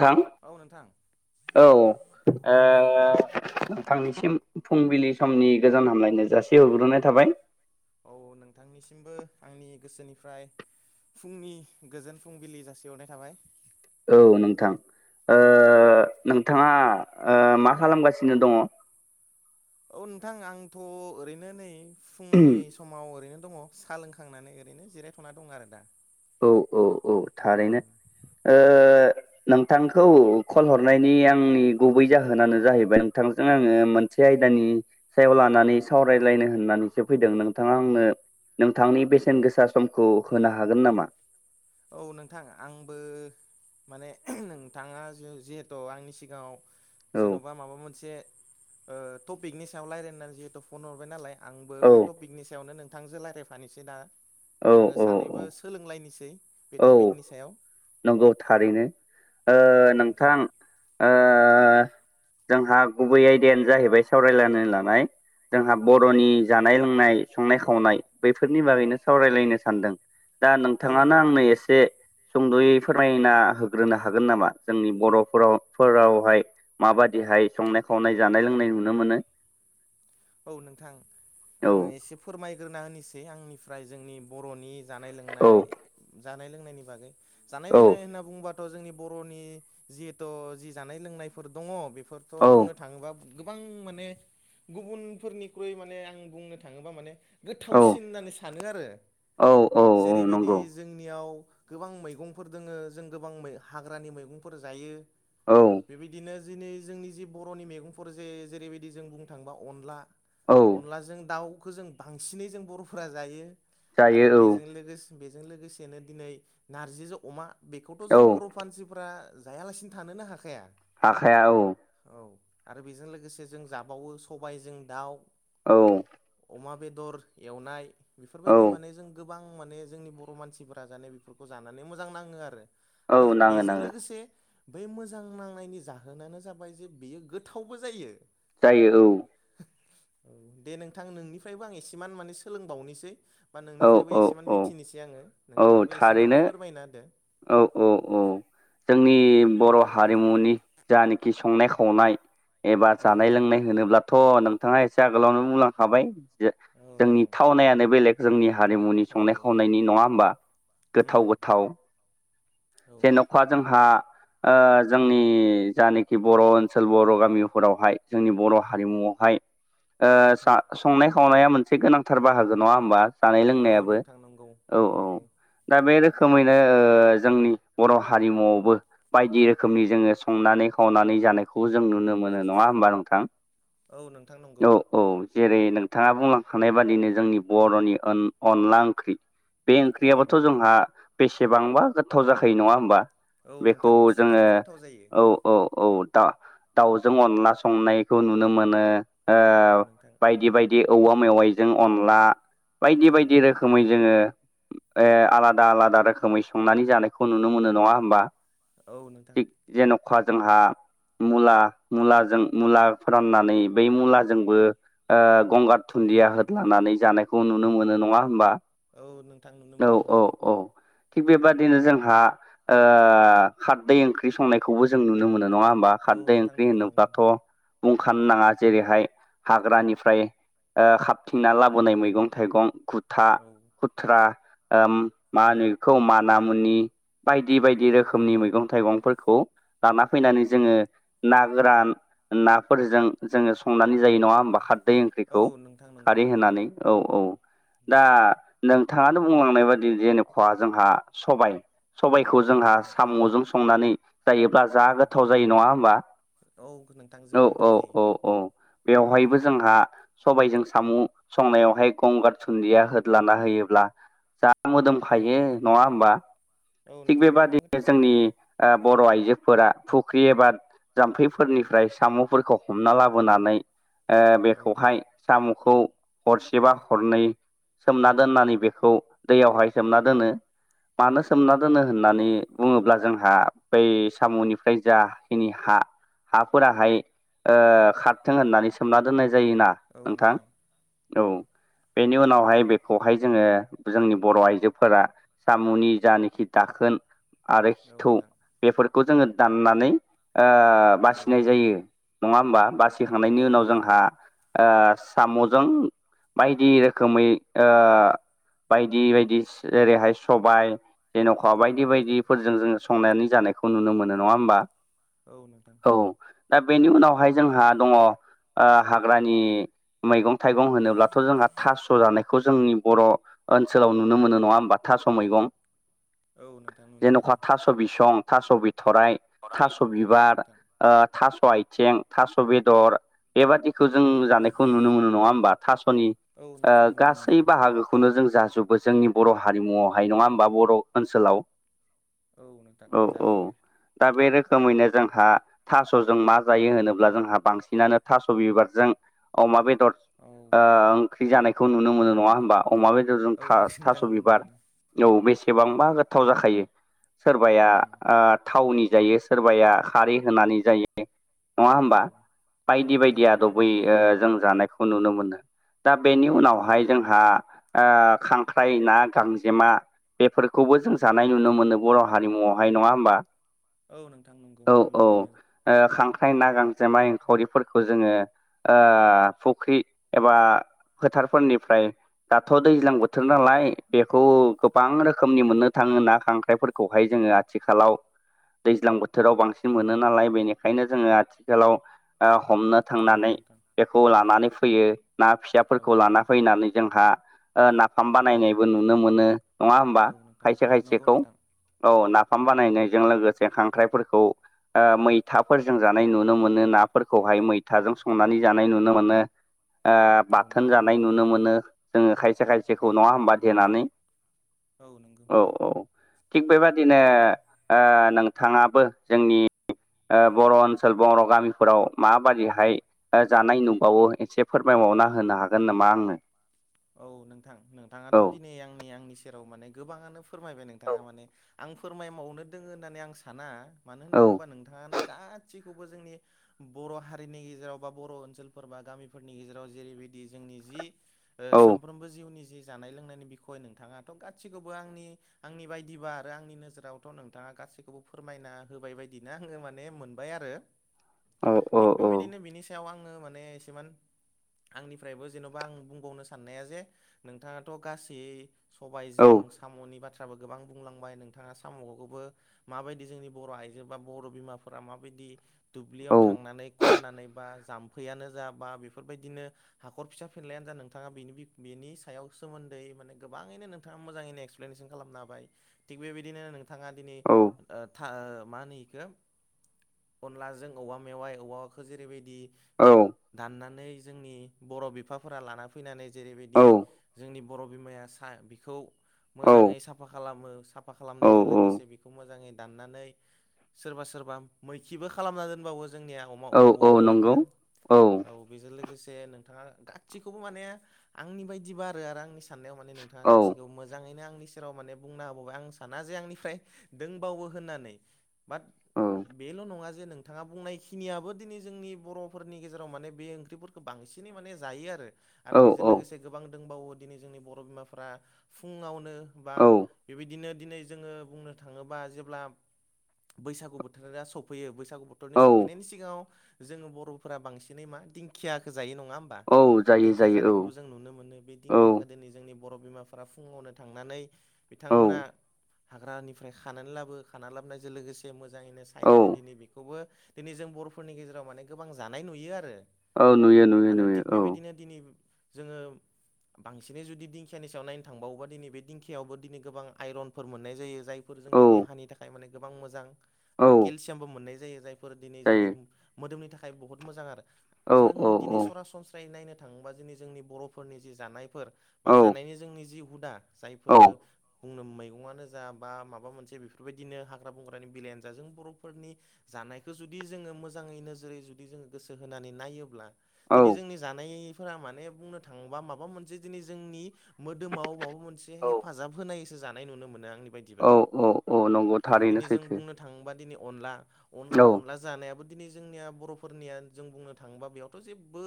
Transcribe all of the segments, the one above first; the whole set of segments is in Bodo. थां औ नोंथां औ ओ थांनिसिम फुंबिलि समनि गोजान हामलायनाय जासे होग्रोनाय थाबाय। औ नोंथांनिसिमबो आंनि गोसोनिफ्राय फुंनि गोजोन फुंबिलि जासि हरनाय थाबाय। औ नोंथां ओ औ नोंथाङा ओ मा खालामगासिनो दङ? औ नोंथां आंथ' ओरैनो नै फुंनि समाव ओरैनो दङ सा लोंखांनानै ओरैनो जिरायथ'ना दं आरो दा। औ औ औ थारैनो ओ नोंथांखौ कल हरनायनि आंनि गुबै जाहोनानो जाहैबाय नोंथांजों आङो मोन से आयदानि सायाव लानानै सावरायलायनो होननानैसो फैदों नोंथाङा आंनो नोंथांनि बेसेन गोसा समखौ होनो हागोन नामा? औ नोंथां आंबो माने नोंथाङा जिहेथु आंनि सिगाङाव औ जेन'बा माबा मोनसे ओ टपिकनि सायाव रायज्लायनानै जिहेथु फन हरबाय नालाय आंबो औ बै टपिकनि सायावनो नोंथांजों राय्लायफानोसै दा। औ जोङो औ सानैबो सोलोंलायनोसै बे टपिकनि सायाव। नगौ थारैनो ओ नोंथां ओ जोंहा गुबै आयदायानो जाहैबाय सावरायलायनो लानाय जोंहा बर'नि जानाय लोंनाय संनाय खावनाय बैफोरनि बागैनो सावरायलायनो सानदों। दा औ नोंथाङानो नोंथां आंनो एसे सुंद'यै फोरमायना होग्रोनो हागोन नामा जोंनि बर'फोराव फोरावहाय माबादिहाय संनाय खावनाय जानाय लोंनाय नुनो मोनो? औ नोंथां औ आङो एसे फोरमायग्रोना होनोसै आंनिफ्राय जोंनि बर'नि जानाय औ लोंनाय जानाय लोंनायनि बागै जानाय औ लोंनाय होनना बुंबा थ' जोंनि बर'नि जिहेथु जि जानाय लोंनायफोर दङ बेफोरथ' औ बुंनो थांङोबा गोबां माने गुबुनफोरनिख्रुइ माने आं बुंनो थाङोबा माने औ गोथावसिन होननानै सानो आरो औ औ जेरैबायदि नंगौ जोंनियाव गोबां मैगंफोर दोङो जों गोबां हाग्रानि मैगंफोर जायो। औ बेबायदिनो दिनै जोंनि जि बर'नि मैगंफोर जे जेरैबायदि जों बुंनो थाङोबा अनला औ अनलाजों दाउखौ जों बांसिनै जों बर'फोरा जायो आरो जायो बेजों लोगोसे बेजों लोगोसेनो दिनै नारजिजों अमा बेखौथ' औ जों बर' मानसिफ्रा जायालासिनो थानोनो हाखाया। हाखाया औ। औ आरो बेजों लोगोसे जों जाबावो सबायजों दाउ। औ अमा बेदर एवनाय औ बेफोरबायदि माने जों गोबां माने जोंनि बर' मानसिफोरा माने बेफोरखौ जानानै मोजां नाङो आरो। औ आरो नाङो बेजों नाङो लोगोसे बे मोजां नांनायनि जाहोनानो जाबाय जे बेयो गोथावबो जायो। जायो औ। औ दे नोंथां नोंनिफ्रायबो आं एसेमान माने सोलोंबावनोसै। बा औ नोंनिफ्रायबो औ एसेमान औ मिथिनोसै आङो औ नोंथाङाबो एसेमान थारैनो फोरमायना होदो। औ औ औ। जोंनि बर' हारिमुनि जानाखि संनाय-खावनाय एबा औ नोंथां जानाय-लोंनाय होनोब्लाथ' नोंथाङा एसे आगोलावनो बुंलांखाबाय। औ जोंनि नोंथां थावनायानो बेलेग जोंनि हारिमुनि औ संनाय खावनायनि नङा होमबा गोथाव उम गोथाव। औ जेन'बा जोंहा जोंनि जानखि बर' ओनसोल बर' गामिफोरावहाय जोंनि बर' हारिमुआवहाय। औ नोंथां संनाय-खावनाया मोनसे गोनांथार बाहागो नङा होमबा। जानाय औ लोंनायाबो नोंथां नंगौ औ औ। नंगौ दा बे रोखोमैनो जोंनि बर' हारिमुआवबो बायदि रोखोमनि जोङो संनानै खावनानै जानाय खौबो जों नुनो मोनो नङा होमबा नोंथां। औ नोंथां नंगौ औ औ। जेरै- नोंथाङा बुंलांखानाय बादिनो जोंनि बर'नि अनला ओंख्रि। बे औ ओंख्रियाबथ' नोंथां जोंहा बेसेबांबा गोथाव जाखायो नङा होमबा। औ बेखौ नोंथां जोङो बेसेबांबा गोथाव जायो औ। औ औ। दा-दाउजों अनला संनायखौ नुनो मोनो। औ नोंथां बायदि बायदि औवा मेवाइजों अनला बायदि औ बायदि नोंथां रोखोमै जोङो आलादा आलादा रोखोमै संनानै जानायखौ नुनो मोनो नङा होमबा। औ नोंथां। थिग जेन'खा जोंहा मुला मुलाजों मुला फोराननानै बै मुलाजोंबो गंगार औ दुन्दिया नोंथां होदलानानै जानायखौ नुनो मोनो नङा होनबा। औ नोंथां नुनो औ मोनो औ औ। थिग बे बादिनो जों खारदै ओंख्रि संनायखौबो जों नुनो मोनो नङा होनबा औ खारदै नोंथां ओंख्रि नंगौ नंगौ होनोब्लाथ' बुंखानो नाङा। जेरैहाय हाग्रानिफ्राय औ खाबथिंना लाबोनाय मैगं-थाइगं, गुथा, औ बुथुवा, मा होनो बेखौ मानामुनि। बायदि औ बायदि नोंथां रोखोमनि मैगंइथाइगंफोरखौ लाना फैनानै जोङो ना गोरान नाफोरजों जोङो संनानै जायो नङा होमबा। खार दै औ ओंख्रिखौ नोंथां नंगौ खारै होनानै औ औ। दा नंगौ नोंथाङानो बुंलांनाय बाददि जेनेबा जोंहा सबाइ सबायखौ औ जोंहा नोंथां साम'जों संनानै जायोब्ला जा औ गोथाव जायो नङा होमबा। औ नोंथां औ जोबोर औ गोथाव जायो औ औ। बेवहायबो जोंहा सबाइजों साम' संनायावहाय गंगार सुन्दिया होद्लाना होयोब्ला जा औ मोदोमखायो नोंथां नङा होमबा। औ थिग नोंथां बे गोबां बादिनो गोथाव जोंनि जामारो बर' आइजोफोरा फुख्रि एबा जाम्फैफोरनिफ्राय साम'फोरखौ हमना लाबोनानै औ बेखौहाय नोंथां साम'खौ हरसेबा हरनै सोमना दोननानै बेखौ दैयावहाय सोमना दोनो। मानो सोमना दोन दोनो होननानै बुङोब्ला जोंहा बै साम'निफ्राय जाखिनि हा हाफोराहाय खारथों होननानै सोमना दोननाय जायोना नोंथां औ। बेनि औ उनावहाय बे खौहाय जोङो जोंनि बर' आइजोफोरा सामुनि जानोखि दाखोन आरोि औ थौ नोंथां बेफोरखौ जोङो दाननानै औ बासिनाय जायो। नङा होमबा औ बासिखांनायनि उनाव नोंथां जोंहा नंगौ साम'जों बायदि रोखोमै ओ बायदि बायदि ओेरैहाय सबाय जेन'खा औ बायदि नोंथां बायदिफोरजों जोङो संनानै जानायखौ नुनो मोनो नङा होमबा? औ नोंथां। औ दा बेनि उनावहाय जोंहा दङ हाग्रानि मैगं थाइगं होनोब्लाथ' जोंहा थास' जानाय बेखौ जोंनि बर' ओनसोलाव नुनो मोनो नङा होमब थास मैगं? औ नोंथां नुनो जेन'खाा मोनो थास' बिसं, थास' बिथरराय, थास' औ बिबार। नोंथां थास' आथिं थास' बेदर बेबादिखौ जों औ नोंथां जानायखौ नुनो मोनो नङा होमबा थास'नि औ नोंथां नुनो मोनो गासै बाहागोखौ खुनु जों जाजोबो जोंनि बर' हारिमुआवहाय नङा होमबा बर' ओनसोलाव। औ नोंथां जाजोबो। दा बे रोखोमैनो जोंहा थास'जों मा जायो होनोब्ला जोंहा बांसिनानो थास' बिबारजों अमा बेदर औ ओंख्रि जानायखौ नुनो मोनो नङा होमबा? अमा बेदरजों औ नोंथां थास' नुनो बिबार। मोनो औ बेसेबांबा गोथाव जाखायो सोरबाया उम ओ थावनि जायो सोरबाया खारै होनानै जायो। नङा औ होमबा औ बायदि नोंथां बायदि नंगौ आदबै जों जानायखौ नुनो मोनो। दा बेनि उनावहाय जोंहा खांख्राइ ना गांजेमा बेफोरखौबो जों जानाय नुनो मोनो बर' हारिमुवआवहाय नङा होमबा? औ नोंथां नंगौ औ नुनो ओ मोनो। खांख्राइ ना गांजेोमा एंखावरिफोरखौ जोङो फुख्रि एबा फोथारफोरनिफ्राय दाथ' दैज्लां बोथोर औ नालाय नोंथां बेखौ गोबां रोखोमनि मोननो थाङो ना खांख्राइफोरखौहाय जोङो आथिखालाव। दैज्लां बोथोराव बांसिन मोनो नालाय बेनिखायनो जोङो आथिखालाव हमनो औ थांनानै नोंथां बेखौ लानानै फैयो ना औ फिसाफोरखौ लाना फैनानै जोंहा नाफाम बानायनायबो नुनो मोनो। नङा हबा औ नोंथां खायसे नंगौ खायसेखौ नोंथां औ नाफाम बानायनायजों लोगोसे खांग्रा फोरखौ मैथाफोरजों जानाय नुनो मोनो नाफोरखौहाय मैथाजों संनानै जानाय नुनो मोनो। बाथोन जानाय नुनो मोनो जोङो खायसे औ खायसेखौ नङा हबा नोंथां देनानै औ औ थिग बेबादिनो नोंथाङाबो जोंनि बर' ओनसोल बर' गामिफोराव माबादिहाय जानाय नुबावो एसे फोरमायबावना होनो हागोन नामा आंनो? औ नोंथां नोंथाङाथ' औ दिनै आंनि आंनि सेराव माने गोबाङानो फोरमायबाय नोंथाङा माने आं फोरमायबावनो दोङो होननानै आं साना मानो औ होनना बुंब्ला नोंथाङानो गासैखौबो जोंनि बर' हारिनि गेजेराव बा बर' ओनसोलफोर बा गामिफोरनि गेजेराव जेरैबायदि जोंनि जि औ सानफ्रोमबो जिउनि जि जानाय लोंनायनि बिखय नोंथाङाथ' गासिखौबो आंनि आंनि बायदिबा आरो आंनि नोजोरावथ' नोंथाङा गासैखौबो फोरमायना होबाय बायदिनो आङो माने मोनबाय आरो। [unintelligible] औ थिग बिबायबिदिनो बिनि सायाव आङो माने एसेमान आंनिफ्रायबो जेन'बा आं बुंबावनो सा साननाया जे नोंथाङाथ' गासै औ सबायजों साम'नि बाथ्रा बो गोबां बुंलांबाय नोंथाङा साम'खौबो माबायदि जोंनि बर' आइजो बा बर' बिमाफोरा माबायदि दुब्लियाव थांनानै खननानै बा जाम्फैयानो जा बा बेफोरबायदिनो हाखर फिसा फेरलायानो जा नों नोंथाङा बेनि बि बिनि सायाव सोमोन्दै माने गोबाङैनो नोंथाङा मोजाङैनो एक्सप्लेनेसन खालामना होबाय। थिग बेबायदिनो नोंथाङा दिनै औ ओ था मा होनो इखौ अनलाजों औवा मेवाय औवाखौ जेरैबायदि औ दाननानै जोंनि बर' बिफाफोरा लाना फैनानै जेरैबायदि जोंनि बर' बिमाया सा बिखौ मोजाङै साफा खालामो साफ साफा औ खालामनायजों लोगोसे बेखौ मोजाङै दाननानै सोरबा सोरबा मैखिबो खालामना दोनबावो जोंनिया अमा औ औवा औ मेवाइखौ नंगौ औ बेजों लोगोसे नोंथाङा गासैखौबो माने आंनि बायदिबा आरो आरो आंनि साननायाव माने नोंथाङा औ गासिखौबो मोजाङैनो आंनि सि सेराव माने बुंना होबावबाय आं साना जे आंनिफ्राय दोंबावो होननानै बाट औ बेल' नङा जे नों बिथाङा बुंनायखिनियाबो दिनै जोंनि बर'फोरनि गेजेराव माने बे ओंख्रिफोरखौ बांसिनै माने जायो आरो आरो बेजों औ लोगोसे गोबां दंबावो दिनै जोंनि बर' बिमाफ्रा फुङावनो बा औ बेबायदिनो दिनै जोङो बुंनो थाङोबा जेब्ला बैसागु बोथोरा सफैयो बैस बैसागु बोथोरनि औ सफैनायनि सिगाङाव जोङो बर'फोरा बांसिनै मा दिंखियाखौ जायो नङा होमबा औ जायो दिंखिया जायो जानायखौबो जों नुनो मोनो बे औ दिंखियाखौ दिनै जोंनि बर' बिमाफोरा फुङावनो थांनानै औ बिथांमोना हाग्रानिफ्राय खानानै लाबो खानानै लाबोनायजों लोगोसे मोजाङैनो साइनानै औ दिनै बेखौबो दिनै जों बर'फोरनि गेजेराव माने गोबां जानाय नुयो आरो औ नुयो नुयो आरो नुयो थिग औ बेबायदिनो दिनै जोङो बांसिनै जुदि दिंखियानि सायाव नायनो थांबावोबा दिनै बे दिंखियावबो दिनै गोबां आइरनफोर मोननाय जायो जाय फोर औ जोंनि देहानि थाखाय माने गोबां मोजां औ आरो केलसियामबो मोननाय जायो जायफोर दिनै जोंनि जायो मोदोमनि थाखाय बहुद मोजां आरो औ जों औ दिनै औ सरासनस्रायै नायनो थाङोबा जोंनि बर'फोरनि जि जानायफोर बा औ जानायनि जोंनि जि हुदा जायफोरो बुंनो मैगङानो जा बा माबा मोनसे बेफोरबायदिनो हाग्रा बंग्रानि बेलायानो जा जों बर'फोरनि जानायखौ जुदि जोङो मोजाङै नोजोरै जुदि जोङो गोसो होनानै नायोब्ला औ दिनै जोंनि जानायफोरा माने बुंनो थाङोबा माबा मोनसे दिनै जोंनि मोदोमाव माबा मोनसे औ हेफाजाब होनायसो जानाय नुनो मोनो आंनि बायदि बा औ औ औ नंगौ थारैनो दिनै जों सैथो बुंनो थाङोबा दिनै अनला अनला औ अनला जानायाबो दिनै जोंनिया बर'फोरनिया जों बुंनो थाङोबा बेयावथ' जेबो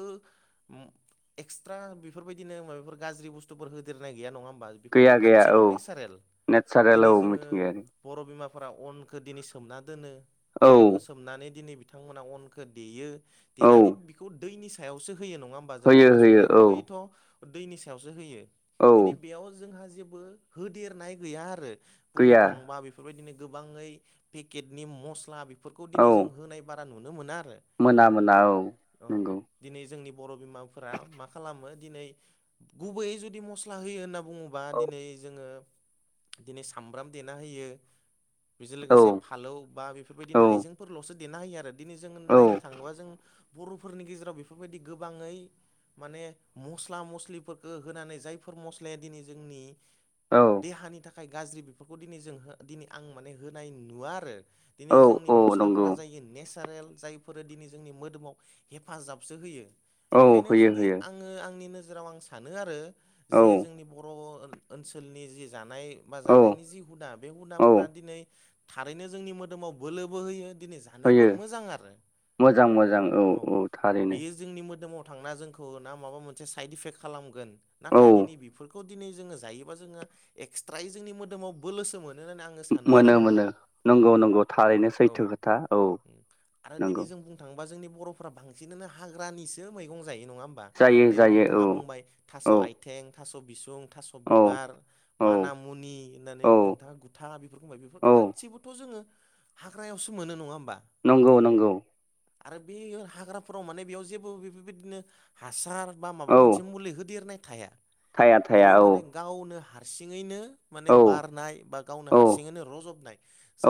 एक्सथारा बेफोरबायदिनो माबाफोर गाज्रि बुस्थुफोर होदेरनाय गैया नङा होमबा बेफोर गैया गैया गासिबो औ नेसारेल नेचारेल औ दिनै जोङो मिथिंगायारि बर' बिमाफोरा अनखौ दिनै सोमना दोनो औ अनखौ सो सोमनानै दिनै बिथांमोना अनखौ देयो औ देनानै बेखौ दैनि सायावसो होयो नङा होमबा जों होयो अनला होयो संनाया औ गुबैयैथ' दैनि सायावसो होयो औ दिनै बेयाव जोंहा जेबो होदेरनाय गैया आरो बुंनो गैया थाङोबा बेफोर बेफोरबायदिनो गोबाङै पेकेटनि मस्ला बेफोरखौ औ दिनै जों होनाय बारा नुनो मोना आरो मोना मोना औ औ नंगौ दिनै जोंनि बर' बिमाफोरा मा खालामो दिनै गुबैयै जुदि मस स्ला होयो होनना बुङोबा औ दिनै जोङो दिनै सामब्राम देना होयो बेजों औ लोगोसे फालौ बा बेफोरबायदिनो औ हाइजेंफोरल'सो देना होयो आरो दिनै जों नायनो थाङोबा जों बर'फोरनि गेजेराव बेफोरबायदि गोबाङै माने मस्ला मस्लिफोरखौ होनानै जायफोर मस्लाया दिनै जोंनि औ देहानि थाखाय गाज्रि बेफोरखौ दिनै जों हो दिनै आं माने होनाय नुवा आरो। दिनै औ जोंनि औ नंगौ मस्लाफोरा जायो नेसारेल जाय- फोरो दिनै जोंनि मोदोमाव हेफाजाबसो होयो। औ बेखायनो होयो जुदि होयो आङो आंनि नोजोराव आं सानो आरो औ जे जोंनि बर' ओन-ओनसोलनि जि जानाय बा औ जानायनि जि हुदा बे औ हुदाफोरा दिनै थारैनो जोंनि मोदोमाव बोलोबो होयो दिनै जा- थानोबो होयो मोजां आरो मोजां मोजां औ थारैनो बेयो जोंनि मोदोमाव थांना जोंखौ ना माबा मोनसे साइड इफेक्ट खालामगोन औ नाथाय दिनै बेफोरखौ दिनै जोङो जायोबा जोङो एक्सट्रायै जोंनि मोदोमाव बोलोसो मो- नो सानो आरो मोनो नोंथां। मोनो नंगौ नंगौ थारैनो औ सैथो खोथा औ उ आरो दिनै नंगौ जों बुं- थांबा जोंनि बर'फोरा बांसिनानो हाग्रानिसो मैगं जायो नङा होम- बा जायो देने जायो नोंथाङा बुंबाय औ थास' औ आइथें थास' बिसुं थास' औ बिबार औ माना मुनि होननानै औ नोंथाङा गुथा बेफोरखौ बुंबाय बेफोर औ गा- सिबोथ' जोङो हाग्रायावसो मोनो नङा होमबा? नंगौ नंगौ आरो बे हाग्राफोराव माने बेयाव जेबो बे-बे-बेदिनो हासार बा माबा औ मोनसे मुलि होदेरनाय थाया। थाया थाया बियो औ माने गावनो हारसिङैनो माने औ बारनाय बा गावनो औ हारसिङैनो रजबनाय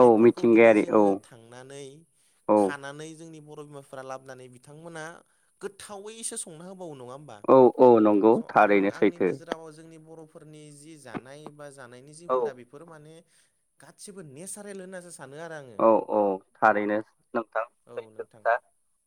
औ दिनै मिथिंगायारि औ जोङो थांनानै औ खानानै जोंनि बर' बिमाफ फोरा लाबोनानै बिथांमोना गोथावैसो संना होबावो नङा होमबा? औ औ नंगौ स' आं थारैनो आंनि सैथो नोजोराव जोंनि बर' फोरनि जि जानाय बा जानायनि जि औ हुदा बे- फोर माने गासिबो नेसारेल होननासो सानो आरो आं औ औ थारैनो नोंथां औ सैथो नोंथां खोथा